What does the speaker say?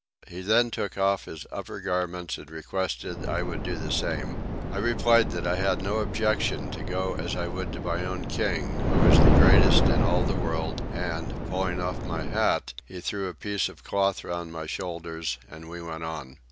He then took off his upper garments and requested I would do the same. I replied that I had no objection to go as I would to my own king, who was the greatest in all the world and, pulling off my hat, he threw a piece of cloth round my shoulders and we went on.